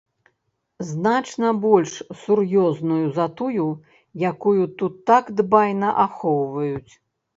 Значна больш сур'ёзную за тую, якую тут так дбайна ахоўваюць.